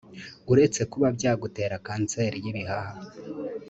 uretse kuba byagutera kanseri y’ibihaha